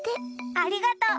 ありがとう。